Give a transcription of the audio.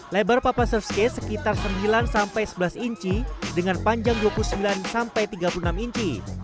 lebar papa surfskate sekitar sembilan sampai sebelas inci dengan panjang dua puluh sembilan sampai tiga puluh enam inci